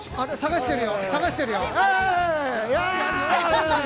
探してるよ。